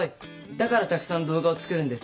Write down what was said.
だからたくさん動画を作るんです！